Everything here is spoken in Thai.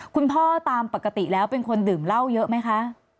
คุณพ่อตามปกติแล้วเป็นคนดื่มเหล้าเยอะไหมคะ